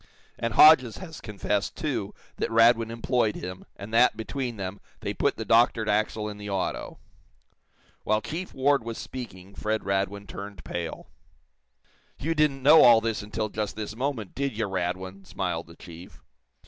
And Hodges has confessed, too, that Radwin employed him, and that, between them, they put the doctored axle in the auto." While Chief Ward was speaking Fred Radwin turned pale. "You didn't know all this until just this moment, did you, Radwin?" smiled the chief.